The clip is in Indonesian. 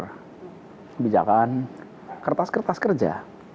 kebijakan kertas kertas kerja